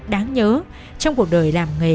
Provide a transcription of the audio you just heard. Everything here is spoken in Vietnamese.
đáng nhớ trong cuộc đời làm nghề